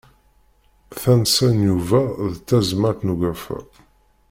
Tansa n Yuba d Tazmalt n ugafa.